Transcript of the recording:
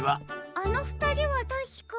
あのふたりはたしか。